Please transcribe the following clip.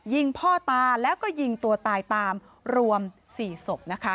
ยิงพ่อตาแล้วก็ยิงตัวตายตามรวม๔ศพนะคะ